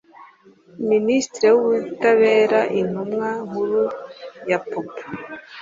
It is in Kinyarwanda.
minisitiri w ubutabera intumwa nkuru ya popo